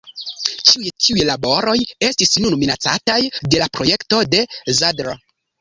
Ĉiuj tiuj laboroj estis nun minacataj de la projekto de Zedler.